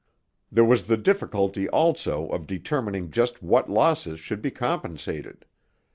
There was the difficulty also of determining just what losses should be compensated.